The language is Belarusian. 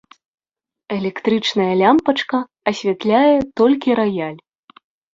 Электрычная лямпачка асвятляе толькі раяль.